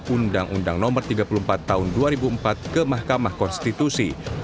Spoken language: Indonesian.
undang undang no tiga puluh empat tahun dua ribu empat ke mahkamah konstitusi